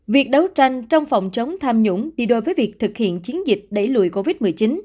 việc đấu tranh trong phòng chống tham nhũng đi đôi với việc thực hiện chiến dịch đẩy lùi covid một mươi chín